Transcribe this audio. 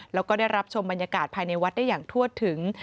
แล้วก็ได้รับชมบรรยากาศภายในวัดได้อย่างทั่วถึง